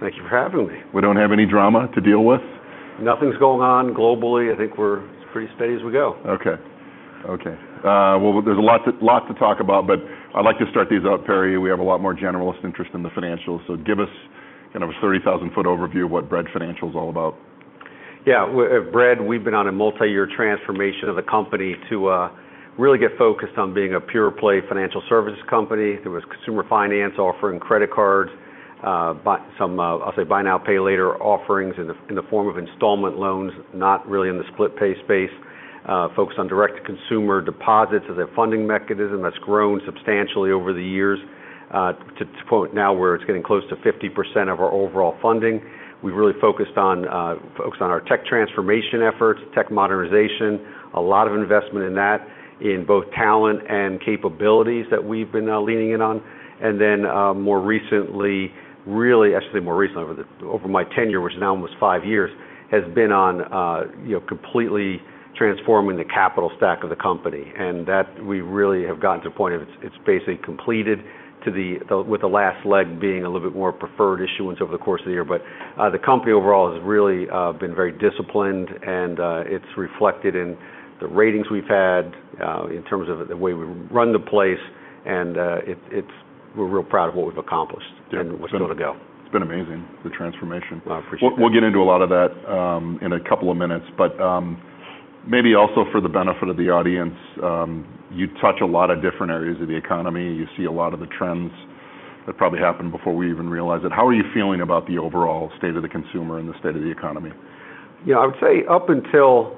Thank you for having me. We don't have any drama to deal with? Nothing's going on globally. I think we're pretty steady as we go. Okay. Well, there's a lot to talk about, but I'd like to start these out, Perry. We have a lot more generalist interest in the financials, so give us kind of a 30,000-foot overview of what Bread Financial is all about. Yeah. At Bread, we've been on a multi-year transformation of the company to really get focused on being a pure-play financial services company. There was consumer finance offering credit cards, some, I'll say Buy Now, Pay Later offerings in the form of installment loans, not really in the split payment space. Focused on direct-to-consumer deposits as a funding mechanism that's grown substantially over the years to now where it's getting close to 50% of our overall funding. We've really focused on our tech transformation efforts, tech modernization. A lot of investment in that in both talent and capabilities that we've been leaning in on. Actually more recent, over my tenure, which is now almost five years, has been on, you know, completely transforming the capital stack of the company. That we really have gotten to a point of it's basically completed with the last leg being a little bit more preferred issuance over the course of the year. The company overall has really been very disciplined and it's reflected in the ratings we've had in terms of the way we run the place. We're real proud of what we've accomplished. Yeah. What's gonna go? It's been amazing, the transformation. I appreciate that. We'll get into a lot of that in a couple of minutes. Maybe also for the benefit of the audience, you touch a lot of different areas of the economy. You see a lot of the trends that probably happened before we even realized it. How are you feeling about the overall state of the consumer and the state of the economy? Yeah, I would say up until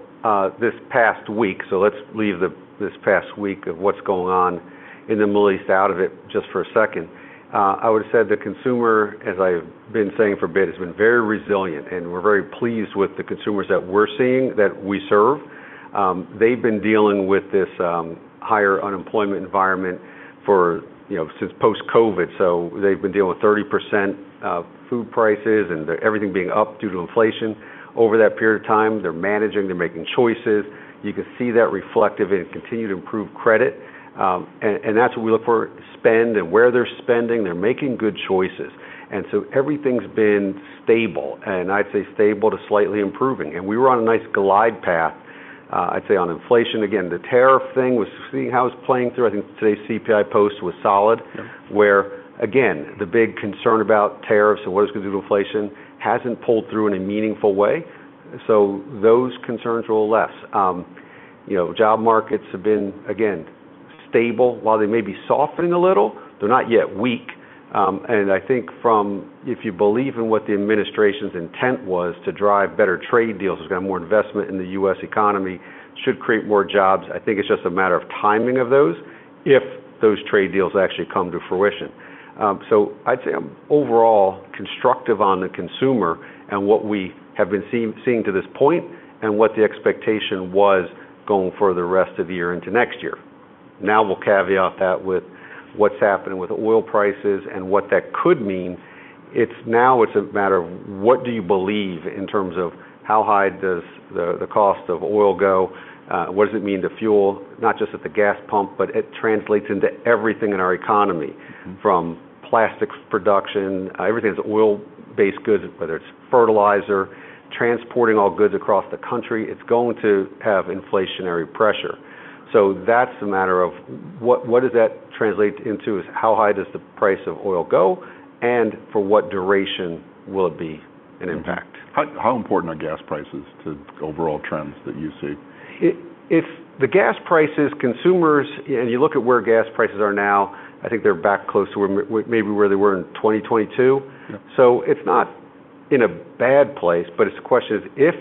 this past week, so let's leave this past week of what's going on in the Middle East out of it just for a second. I would have said the consumer, as I've been saying for a bit, has been very resilient, and we're very pleased with the consumers that we're seeing, that we serve. They've been dealing with this higher unemployment environment for, you know, since post-COVID. They've been dealing with 30% food prices and everything being up due to inflation over that period of time. They're managing, they're making choices. You can see that reflected in continued improved credit. And that's what we look for, spend and where they're spending. They're making good choices. Everything's been stable, and I'd say stable to slightly improving. We were on a nice glide path, I'd say on inflation. Again, we're seeing how the tariff thing is playing through. I think today's CPI post was solid. Yeah. Where, again, the big concern about tariffs and what it's gonna do to inflation hasn't pulled through in a meaningful way. Those concerns are a little less. You know, job markets have been, again, stable. While they may be softening a little, they're not yet weak. I think from if you believe in what the administration's intent was to drive better trade deals, it's got more investment in the U.S. economy, should create more jobs. I think it's just a matter of timing of those, if those trade deals actually come to fruition. I'd say I'm overall constructive on the consumer and what we have been seeing to this point and what the expectation was going for the rest of the year into next year. Now we'll caveat that with what's happening with oil prices and what that could mean. It's now a matter of what do you believe in terms of how high does the cost of oil go? What does it mean for fuel not just at the gas pump, but it translates into everything in our economy. Mm-hmm. From plastics production. Everything's oil-based goods, whether it's fertilizer, transporting all goods across the country. It's going to have inflationary pressure. That's a matter of what does that translate into is how high does the price of oil go, and for what duration will it be an impact? How important are gas prices to overall trends that you see? If the gas prices, consumers, and you look at where gas prices are now, I think they're back close to where maybe where they were in 2022. Yeah. It's not in a bad place, but the question is, if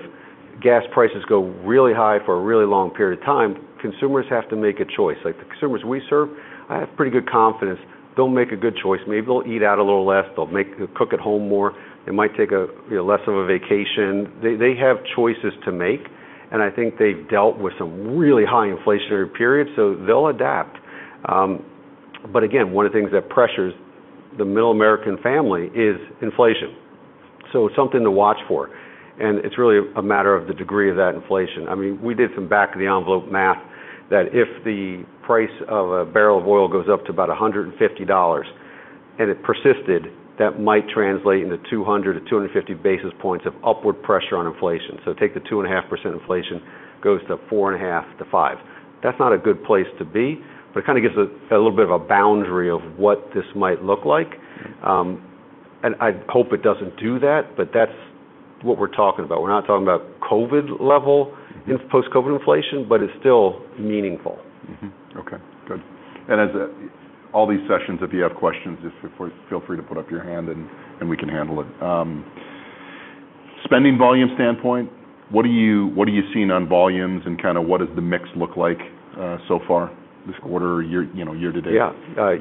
gas prices go really high for a really long period of time, consumers have to make a choice. Like, the consumers we serve, I have pretty good confidence they'll make a good choice. Maybe they'll eat out a little less. They'll cook at home more. They might take a, you know, less of a vacation. They have choices to make, and I think they've dealt with some really high inflationary periods, so they'll adapt. Again, one of the things that pressures the middle American family is inflation. It's something to watch for, and it's really a matter of the degree of that inflation. I mean, we did some back-of-the-envelope math that if the price of a barrel of oil goes up to about $150 and it persisted, that might translate into 200 basis points-250 basis points of upward pressure on inflation. Take the 2.5% inflation goes to 4.5%-%5. That's not a good place to be, but it kind of gives a little bit of a boundary of what this might look like. I hope it doesn't do that, but that's what we're talking about. We're not talking about COVID level in post-COVID inflation, but it's still meaningful. Okay. Good. As all these sessions, if you have questions, just feel free to put up your hand and we can handle it. Spending volume standpoint, what are you seeing on volumes and kind of what does the mix look like so far this quarter year, you know, year to date? Yeah.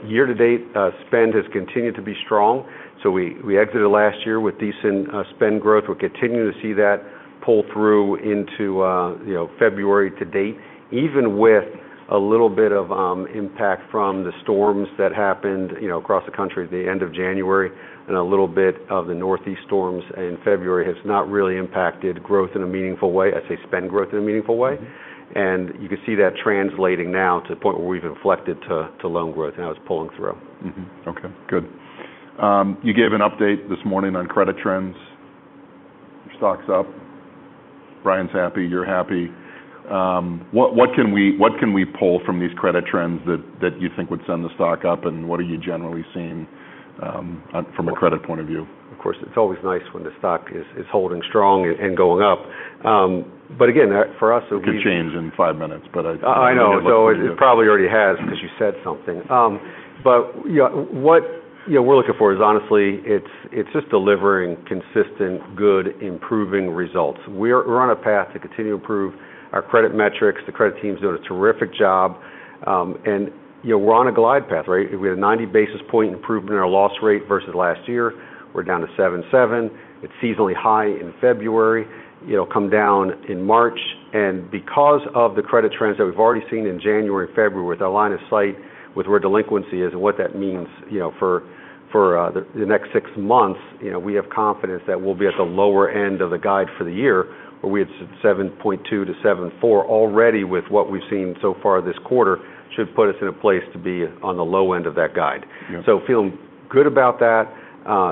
Year to date, spend has continued to be strong. We exited last year with decent spend growth. We're continuing to see that pull through into, you know, February to date, even with a little bit of impact from the storms that happened, you know, across the country at the end of January and a little bit of the Northeast storms in February has not really impacted growth in a meaningful way. I'd say spend growth in a meaningful way. Mm-hmm. You can see that translating now to the point where we've inflected to loan growth. Now it's pulling through. Okay, good. You gave an update this morning on credit trends. Your stock's up. Brian's happy, you're happy. What can we pull from these credit trends that you think would send the stock up, and what are you generally seeing from a credit point of view? Of course, it's always nice when the stock is holding strong and going up. Again, for us, It could change in five minutes. I know. It probably already has because you said something. Yeah, what you know we're looking for is honestly, it's just delivering consistent, good, improving results. We're on a path to continue to improve our credit metrics. The credit team's doing a terrific job. You know, we're on a glide path, right? We had a 90 basis point improvement in our loss rate versus last year. We're down to 7.7%. It's seasonally high in February. It'll come down in March. Because of the credit trends that we've already seen in January and February with our line of sight with where delinquency is and what that means, you know, for the next six months, you know, we have confidence that we'll be at the lower end of the guide for the year, where we had 7.2%-7.4% already with what we've seen so far this quarter should put us in a place to be on the low end of that guide. Yeah. Feeling good about that.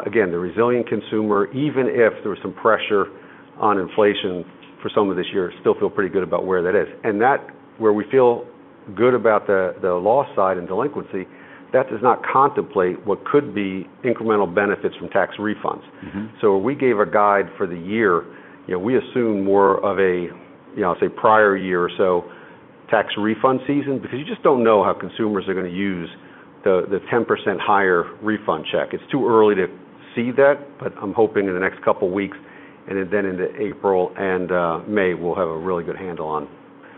Again, the resilient consumer, even if there was some pressure on inflation for some of this year, still feel pretty good about where that is. That, where we feel good about the loss side and delinquency, does not contemplate what could be incremental benefits from tax refunds. Mm-hmm. We gave a guide for the year. You know, we assume more of a, you know, say, prior year or so tax refund season because you just don't know how consumers are gonna use the 10% higher refund check. It's too early to see that, but I'm hoping in the next couple of weeks and then into April and May, we'll have a really good handle on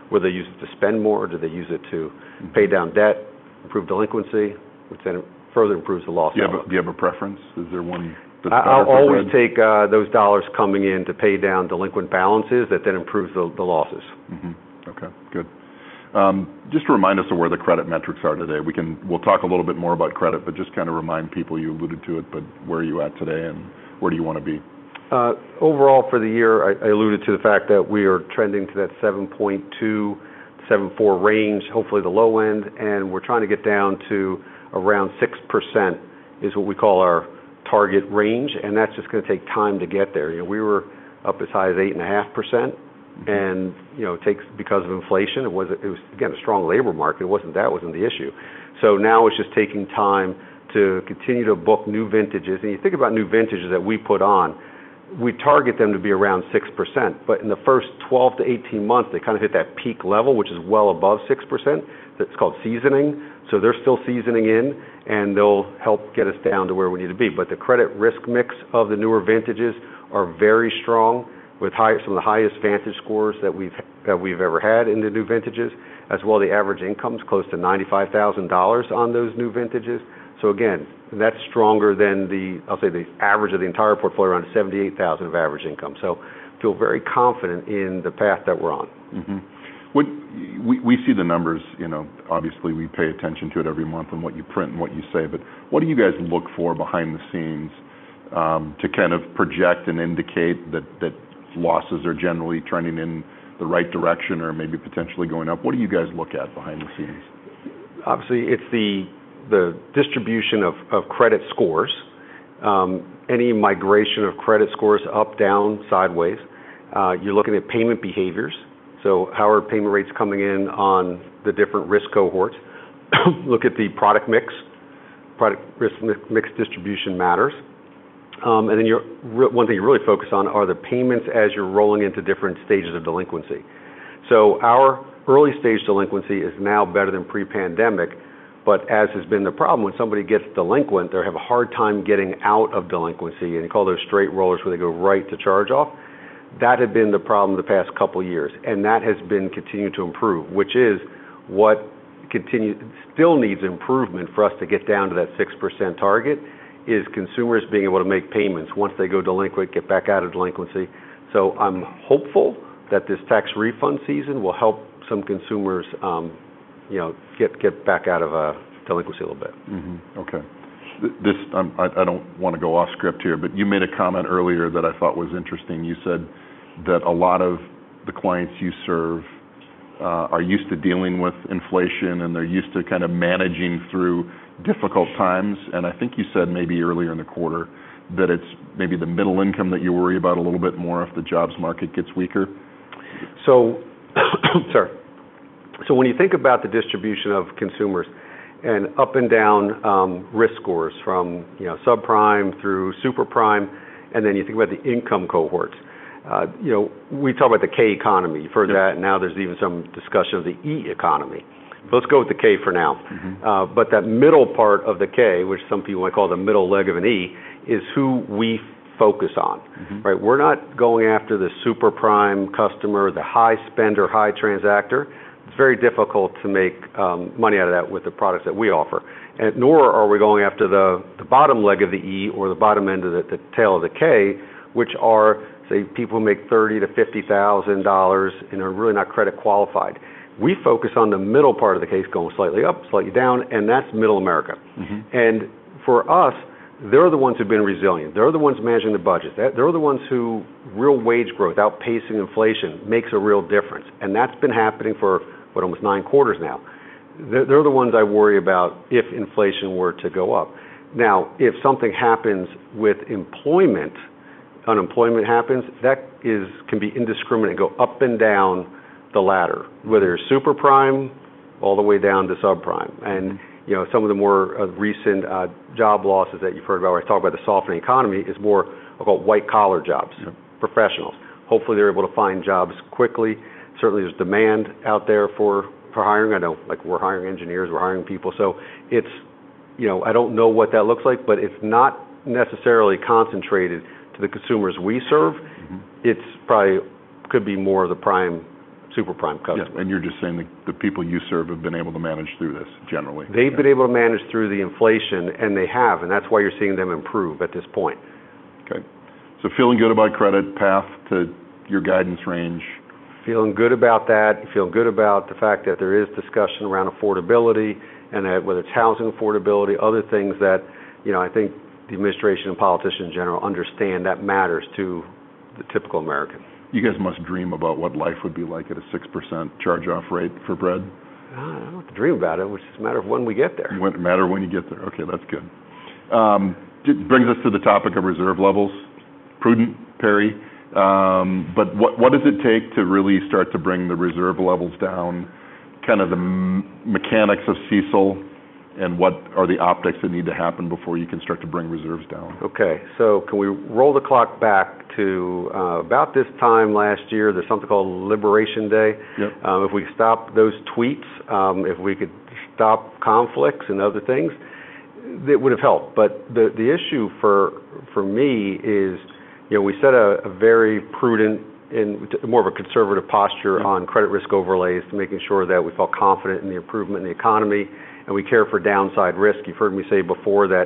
whether they use it to spend more or do they use it to pay down debt, improve delinquency, which then further improves the loss. Do you have a preference? Is there one that's better for the? I'll always take those dollars coming in to pay down delinquent balances that then improves the losses. Okay. Good. Just to remind us of where the credit metrics are today. We'll talk a little bit more about credit, but just kinda remind people, you alluded to it, but where are you at today and where do you wanna be? Overall for the year, I alluded to the fact that we are trending to that 7.2%-7.4% range. Hopefully the low end. We're trying to get down to around 6% is what we call our target range, and that's just gonna take time to get there. You know, we were up as high as 8.5% and, you know, because of inflation, it was again a strong labor market. It wasn't that. That wasn't the issue. Now it's just taking time to continue to book new vintages. You think about new vintages that we put on, we target them to be around 6%. But in the first 12 to 18 months, they kinda hit that peak level, which is well above 6%. That's called seasoning. They're still seasoning in, and they'll help get us down to where we need to be. The credit risk mix of the newer vintages are very strong with some of the highest VantageScore that we've ever had in the new vintages, as well as the average income's close to $95,000 on those new vintages. Again, that's stronger than the, I'll say, the average of the entire portfolio around $78,000 average income. Feel very confident in the path that we're on. Mm-hmm. We see the numbers, you know, obviously we pay attention to it every month and what you print and what you say. But what do you guys look for behind the scenes to kind of project and indicate that losses are generally trending in the right direction or maybe potentially going up? What do you guys look at behind the scenes? Obviously it's the distribution of credit scores. Any migration of credit scores up, down, sideways. You're looking at payment behaviors. How are payment rates coming in on the different risk cohorts? Look at the product mix. Product risk mix distribution matters. One thing you really focus on are the payments as you're rolling into different stages of delinquency. Our early-stage delinquency is now better than pre-pandemic, but as has been the problem, when somebody gets delinquent, they have a hard time getting out of delinquency, and you call those straight rollers, where they go right to charge-off. That had been the problem the past couple of years, and that has been continuing to improve, which is what still needs improvement for us to get down to that 6% target, is consumers being able to make payments once they go delinquent, get back out of delinquency. I'm hopeful that this tax refund season will help some consumers, you know, get back out of delinquency a little bit. I don't wanna go off script here, but you made a comment earlier that I thought was interesting. You said that a lot of the clients you serve are used to dealing with inflation, and they're used to kind of managing through difficult times. I think you said maybe earlier in the quarter that it's maybe the middle income that you worry about a little bit more if the jobs market gets weaker. Sorry. When you think about the distribution of consumers and up and down, risk scores from, you know, subprime through super prime, and then you think about the income cohorts. You know, we talk about the K-shaped economy. You've heard that. Yeah. Now there's even some discussion of the digital economy. Let's go with the K for now. Mm-hmm. That middle part of the K, which some people might call the middle leg of an E, is who we focus on. Mm-hmm. Right? We're not going after the super prime customer, the high spender, high transactor. It's very difficult to make money out of that with the products that we offer. Nor are we going after the bottom leg of the E or the bottom end of the tail of the K, which are, say, people who make $30,000-$50,000 and are really not credit qualified. We focus on the middle part of the K going slightly up, slightly down, and that's middle America. Mm-hmm. For us, they're the ones who've been resilient. They're the ones managing their budgets. They're the ones who real wage growth outpacing inflation makes a real difference. That's been happening for what? Almost nine quarters now. They're the ones I worry about if inflation were to go up. Now, if something happens with employment, unemployment happens, can be indiscriminate, go up and down the ladder, whether you're super prime all the way down to subprime. You know, some of the more recent job losses that you've heard about, we talk about the softening economy is more about white-collar jobs. Mm-hmm Professionals. Hopefully, they're able to find jobs quickly. Certainly, there's demand out there for hiring. I know, like, we're hiring engineers, we're hiring people. It's, you know, I don't know what that looks like, but it's not necessarily concentrated to the consumers we serve. Mm-hmm. It could probably be more of the prime, super prime customer. Yeah. You're just saying the people you serve have been able to manage through this generally. They've been able to manage through the inflation, and they have, and that's why you're seeing them improve at this point. Okay. Feeling good about credit path to your guidance range. Feeling good about that. Feel good about the fact that there is discussion around affordability and that whether it's housing affordability, other things that, you know, I think the administration and politicians in general understand that matters to the typical American. You guys must dream about what life would be like at a 6% charge-off rate for Bread. I don't have to dream about it. It's just a matter of when we get there. Matter when you get there. Okay, that's good. It brings us to the topic of reserve levels. Prudent, Perry. What does it take to really start to bring the reserve levels down, kind of the mechanics of CECL, and what are the optics that need to happen before you can start to bring reserves down? Okay. Can we roll the clock back to, about this time last year? There's something called Liberation Day. Yep. If we stop those tweets, if we could stop conflicts and other things, it would have helped. The issue for me is, you know, we set a very prudent and more of a conservative posture on credit risk overlays to making sure that we felt confident in the improvement in the economy and we care for downside risk. You've heard me say before that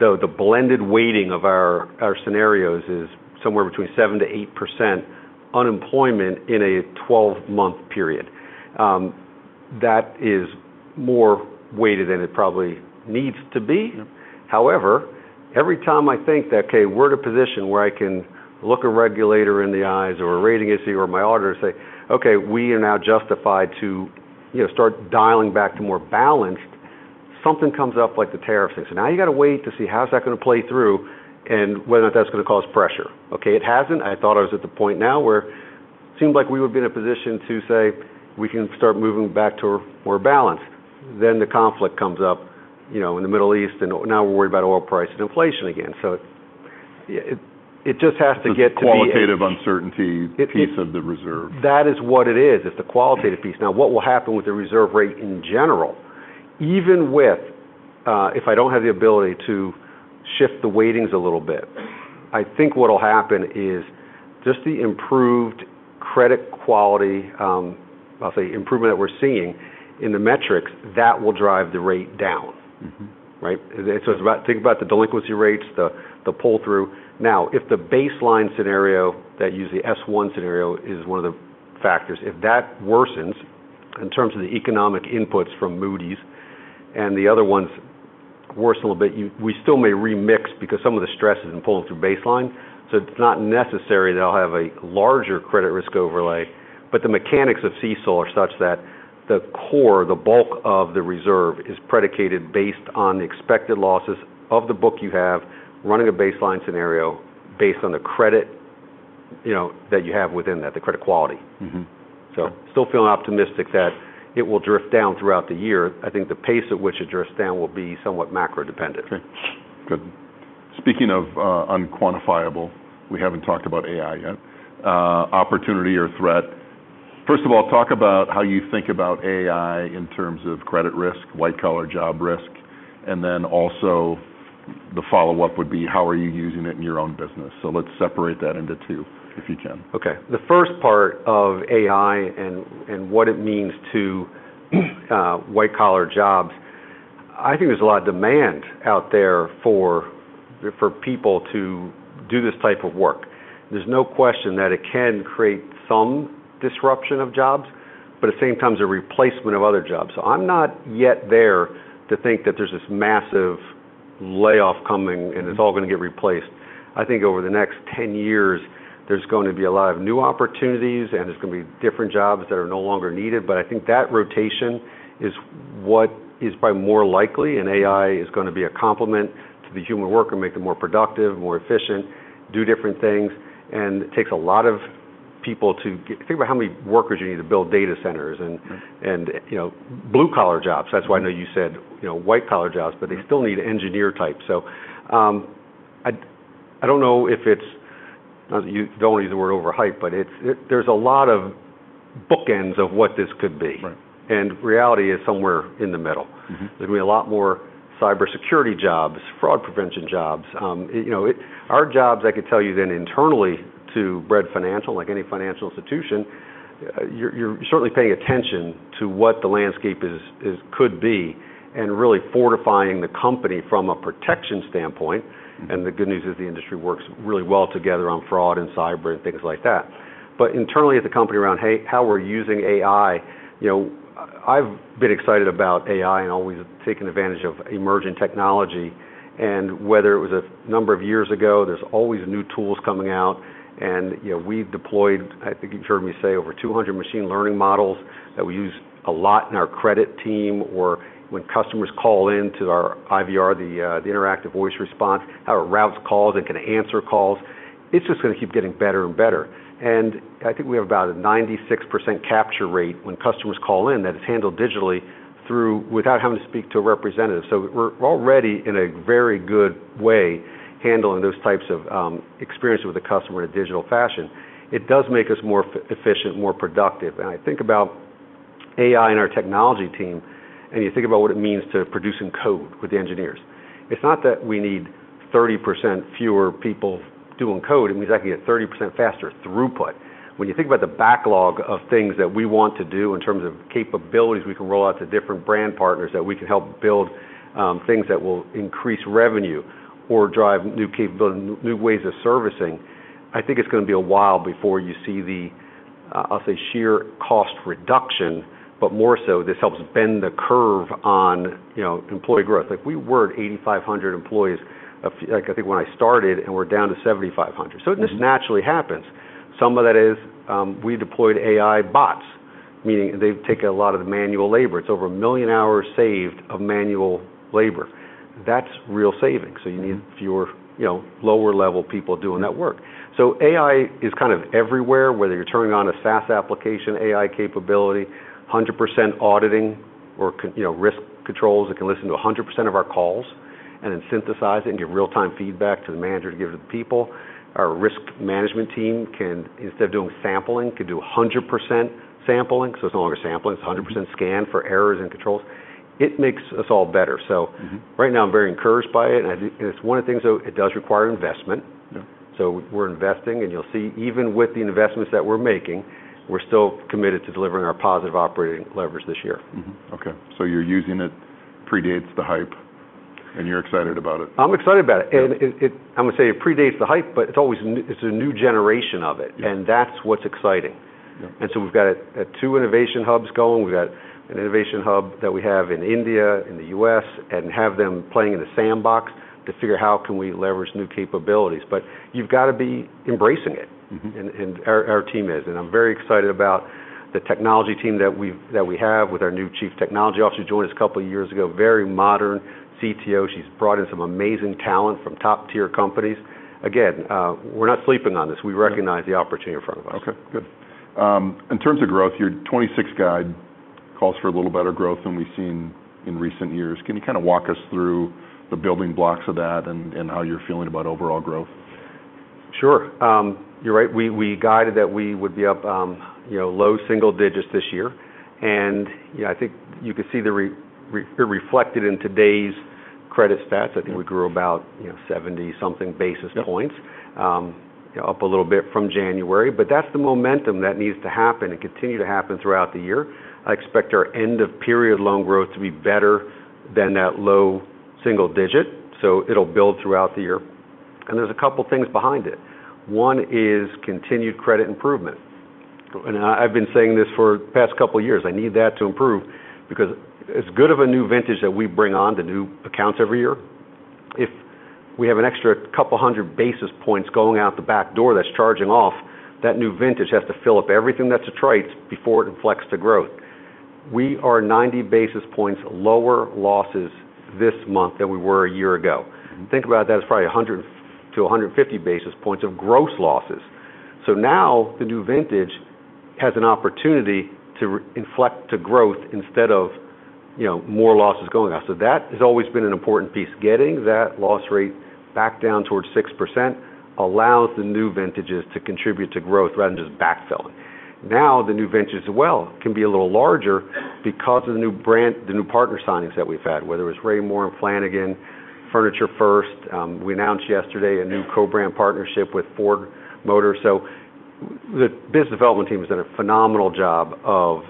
the blended weighting of our scenarios is somewhere between 7%-8% unemployment in a 12-month period. That is more weighted than it probably needs to be. Yep. However, every time I think that, okay, we're in a position where I can look a regulator in the eyes or a rating agency or my auditor and say, "Okay, we are now justified to, you know, start dialing back to more balanced," something comes up like the tariff situation. Now you got to wait to see how's that gonna play through and whether that's gonna cause pressure. Okay. It hasn't. I thought I was at the point now where seemed like we would be in a position to say we can start moving back to a more balance. The conflict comes up, you know, in the Middle East, and now we're worried about oil price and inflation again. It just has to get to be. Qualitative uncertainty piece of the reserve. That is what it is. It's the qualitative piece. Now, what will happen with the reserve rate in general, even with, if I don't have the ability to shift the weightings a little bit, I think what'll happen is just the improved credit quality, I'll say improvement that we're seeing in the metrics, that will drive the rate down. Mm-hmm. Right? It's just about think about the delinquency rates, the pull-through. Now, if the baseline scenario that use the S1 scenario is one of the factors, if that worsens in terms of the economic inputs from Moody's and the other ones worsen a little bit, we still may remix because some of the stress isn't pulling through baseline. It's not necessary that I'll have a larger credit risk overlay, but the mechanics of CECL are such that the core, the bulk of the reserve is predicated based on the expected losses of the book you have running a baseline scenario based on the credit, you know, that you have within that, the credit quality. Mm-hmm. Still feeling optimistic that it will drift down throughout the year. I think the pace at which it drifts down will be somewhat macro dependent. Okay. Good. Speaking of unquantifiable, we haven't talked about AI yet. Opportunity or threat. First of all, talk about how you think about AI in terms of credit risk, white-collar job risk, and then also the follow-up would be how are you using it in your own business? Let's separate that into two, if you can. Okay. The first part of AI and what it means to white-collar jobs, I think there's a lot of demand out there for people to do this type of work. There's no question that it can create some disruption of jobs, but at the same time, it's a replacement of other jobs. I'm not yet there to think that there's this massive layoff coming and it's all gonna get replaced. I think over the next 10 years, there's going to be a lot of new opportunities and there's going to be different jobs that are no longer needed. I think that rotation is what is probably more likely, and AI is gonna be a complement to the human work and make them more productive, more efficient, do different things. It takes a lot of people to think about how many workers you need to build data centers and Mm-hmm you know, blue-collar jobs. That's why I know you said, you know, white-collar jobs. Mm-hmm They still need engineer type. I don't know if it's, you don't want to use the word overhyped, but it's, there's a lot of bookends of what this could be. Right. Reality is somewhere in the middle. Mm-hmm. There can be a lot more cybersecurity jobs, fraud prevention jobs. You know, our jobs, I could tell you that internally to Bread Financial, like any financial institution, you're certainly paying attention to what the landscape is, could be and really fortifying the company from a protection standpoint. The good news is the industry works really well together on fraud and cyber and things like that. Internally at the company around, hey, how we're using AI, you know, I've been excited about AI and always taking advantage of emerging technology. Whether it was a number of years ago, there's always new tools coming out. You know, we've deployed, I think you've heard me say, over 200 machine learning models that we use a lot in our credit team or when customers call in to our IVR, the interactive voice response, how it routes calls and can answer calls. It's just gonna keep getting better and better. I think we have about a 96% capture rate when customers call in that it's handled digitally through without having to speak to a representative. We're already in a very good way handling those types of experiences with a customer in a digital fashion. It does make us more efficient, more productive. I think about AI and our technology team, and you think about what it means to producing code with the engineers. It's not that we need 30% fewer people doing code. It means I can get 30% faster throughput. When you think about the backlog of things that we want to do in terms of capabilities we can roll out to different brand partners that we can help build, things that will increase revenue or drive new capability, new ways of servicing, I think it's gonna be a while before you see the, I'll say, sheer cost reduction, but more so this helps bend the curve on, you know, employee growth. Like, we were at 8,500 employees—like, I think when I started, and we're down to 7,500. This naturally happens. Some of that is, we deployed AI bots, meaning they've taken a lot of the manual labor. It's over 1 million hours saved of manual labor. That's real savings. You need fewer, you know, lower-level people doing that work. AI is kind of everywhere, whether you're turning on a SaaS application AI capability, 100% auditing or you know, risk controls that can listen to 100% of our calls and then synthesize it and give real-time feedback to the manager to give to the people. Our risk management team can, instead of doing sampling, do 100% sampling. It's no longer sampling. It's a 100% scan for errors and controls. It makes us all better. Mm-hmm. Right now I'm very encouraged by it. I think it's one of the things, though, it does require investment. Yeah. We're investing, and you'll see even with the investments that we're making, we're still committed to delivering our positive operating leverage this year. Okay. Your using it predates the hype, and you're excited about it. I'm excited about it. I'm gonna say it predates the hype, but it's always a new generation of it. Yeah. That's what's exciting. Yeah. We've got two innovation hubs going. We've got an innovation hub that we have in India, in the U.S., and have them playing in the sandbox to figure how can we leverage new capabilities. You've got to be embracing it. Mm-hmm. I'm very excited about the technology team that we have with our new Chief Technology Officer who joined us a couple of years ago, very modern CTO. She's brought in some amazing talent from top-tier companies. Again, we're not sleeping on this. We recognize the opportunity in front of us. Okay, good. In terms of growth, your 26 guide calls for a little better growth than we've seen in recent years. Can you kinda walk us through the building blocks of that and how you're feeling about overall growth? Sure. You're right. We guided that we would be up, you know, low single digits this year. You know, I think you could see the reflected in today's credit stats. I think we grew about, you know, 70-something basis points. Yeah. Up a little bit from January. That's the momentum that needs to happen and continue to happen throughout the year. I expect our end of period loan growth to be better than that low single digit, so it'll build throughout the year. There's a couple things behind it. One is continued credit improvement. I've been saying this for the past couple of years. I need that to improve because as good of a new vintage that we bring on to new accounts every year, if we have an extra couple hundred basis points going out the back door that's charging off, that new vintage has to fill up everything that's attrite before it inflects the growth. We are 90 basis points lower losses this month than we were a year ago. Think about that as probably 100-150 basis points of gross losses. Now the new vintage has an opportunity to inflect to growth instead of, you know, more losses going out. That has always been an important piece. Getting that loss rate back down towards 6% allows the new vintages to contribute to growth rather than just backfilling. Now the new vintages as well can be a little larger because of the new brand, the new partner signings that we've had, whether it's Raymour & Flanigan, Furniture First. We announced yesterday a new co-brand partnership with Ford Motor Company. The business development team has done a phenomenal job of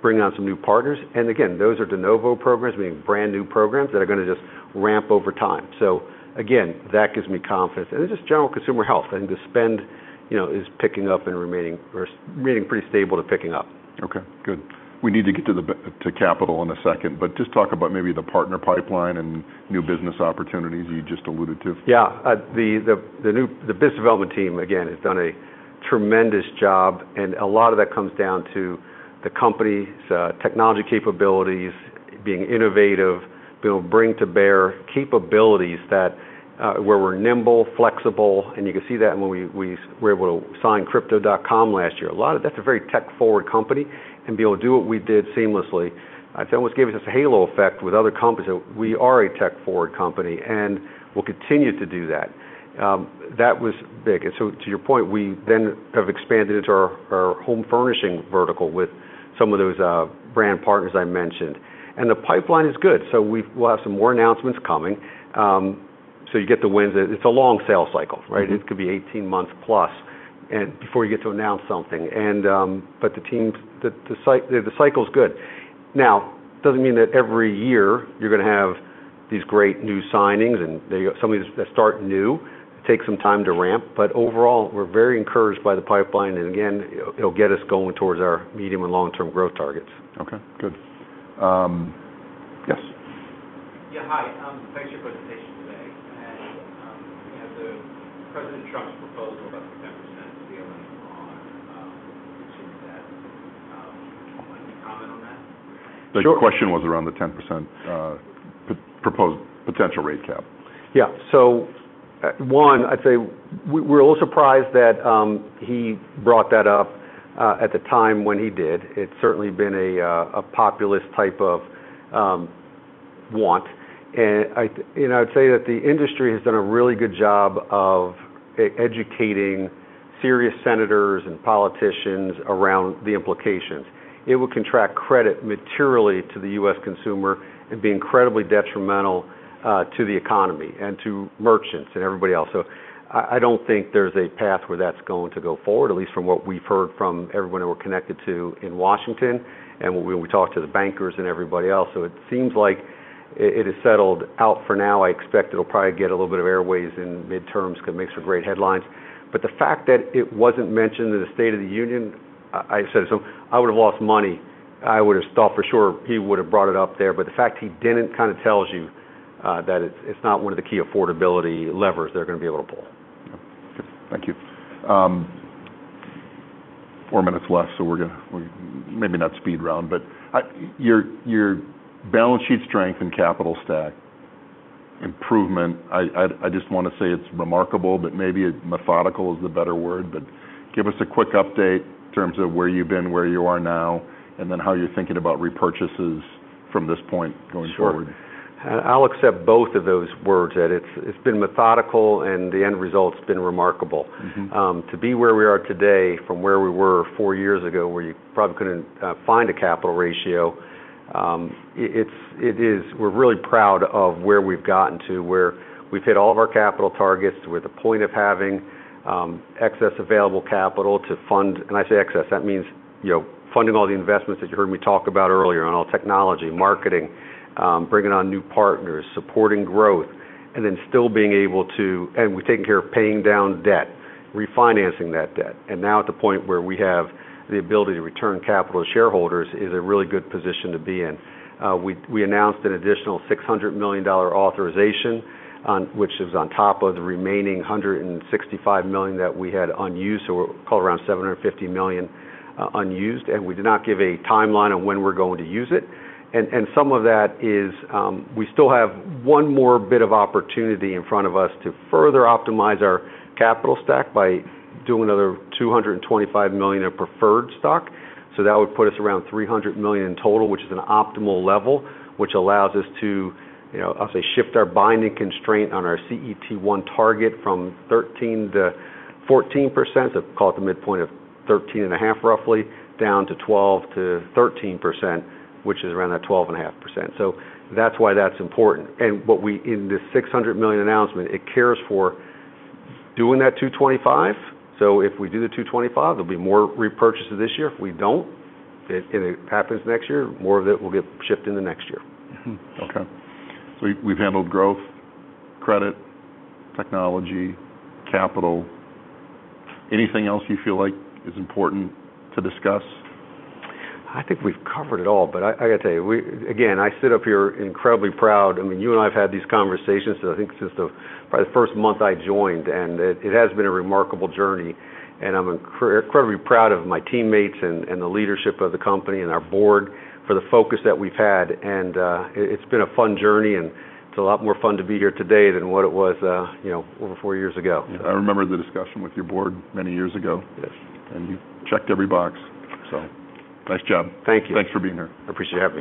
bringing on some new partners. Again, those are de novo programs, meaning brand new programs that are gonna just ramp over time. Again, that gives me confidence. It's just general consumer health. I think the spend, you know, is picking up and remaining pretty stable, too, picking up. Okay, good. We need to get to capital in a second, but just talk about maybe the partner pipeline and new business opportunities you just alluded to? Yeah. The business development team again has done a tremendous job, and a lot of that comes down to the company's technology capabilities, being innovative, being able to bring to bear capabilities that where we're nimble, flexible, and you can see that when we were able to sign Crypto.com last year. That's a very tech-forward company, and be able to do what we did seamlessly, it's almost gave us this halo effect with other companies that we are a tech-forward company, and we'll continue to do that. That was big. To your point, we then have expanded into our home furnishing vertical with some of those brand partners I mentioned. The pipeline is good, we'll have some more announcements coming. You get the wins. It's a long sales cycle, right? It could be 18-months plus and before you get to announce something. But the cycle's good. No, doesn't mean that every year you're gonna have these great new signings and somebody that's starting new takes some time to ramp. Overall, we're very encouraged by the pipeline. Again, it'll get us going towards our medium- and long-term growth targets. Okay. Good. Yes. Hi. Thanks for your presentation today. You know, President Trump's proposal about the 10% ceiling on credit card APR, would you want to comment on that? The question was around the 10% proposed potential rate cap. Yeah. One, I'd say we're a little surprised that he brought that up at the time when he did. It's certainly been a populist type of want. You know, I'd say that the industry has done a really good job of educating serious senators and politicians around the implications. It will contract credit materially to the U.S. consumer and be incredibly detrimental to the economy and to merchants and everybody else. I don't think there's a path where that's going to go forward, at least from what we've heard from everyone that we're connected to in Washington and when we talked to the bankers and everybody else. It seems like it is settled out for now. I expect it'll probably get a little bit of airwaves in midterms because it makes for great headlines. The fact that it wasn't mentioned in the State of the Union, I said so. I would've lost money. I would've thought for sure he would've brought it up there. The fact he didn't kind of tells you that it's not one of the key affordability levers they're gonna be able to pull. Okay. Thank you. Four minutes left, so we're gonna maybe not speed round, but your balance sheet strength and capital stack improvement, I'd just wanna say it's remarkable, but maybe methodical is the better word. Give us a quick update in terms of where you've been, where you are now, and then how you're thinking about repurchases from this point going forward. Sure. I'll accept both of those words. It's been methodical and the end result's been remarkable. Mm-hmm. To be where we are today from where we were four years ago, where you probably couldn't find a capital ratio. We're really proud of where we've gotten to, where we've hit all of our capital targets. We're at the point of having excess available capital to fund. When I say excess, that means, you know, funding all the investments that you heard me talk about earlier on all technology, marketing, bringing on new partners, supporting growth, and then still being able to and we're taking care of paying down debt, refinancing that debt. Now at the point where we have the ability to return capital to shareholders is a really good position to be in. We announced an additional $600 million authorization which is on top of the remaining $165 million that we had unused, so call it around $750 million unused. We did not give a timeline on when we're going to use it. Some of that is we still have one more bit of opportunity in front of us to further optimize our capital stack by doing another $225 million of preferred stock. that would put us around $300 million in total, which is an optimal level, which allows us to, you know, I'll say, shift our binding constraint on our CET1 target from 13%-14%, so call it the midpoint of 13.5, roughly, down to 12%-13%, which is around that 12.5%. That's why that's important. In this $600 million announcement, it takes care of doing that $225. If we do the $225, there'll be more repurchases this year. If we don't, it happens next year, more of it will get shifted into next year. Mm-hmm. Okay. We've handled growth, credit, technology, capital. Anything else you feel like is important to discuss? I think we've covered it all, but I gotta tell you, again, I sit up here incredibly proud. I mean, you and I have had these conversations since I think, probably the first month I joined, and it has been a remarkable journey, and I'm incredibly proud of my teammates and the leadership of the company and our board for the focus that we've had. It's been a fun journey, and it's a lot more fun to be here today than what it was, you know, over four years ago. Yeah. I remember the discussion with your board many years ago. Yes. You've checked every box. Nice job. Thank you. Thanks for being here. I appreciate it.